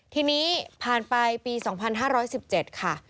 ทีนี้ผ่านไปปี๒๕๑๗ค่ะ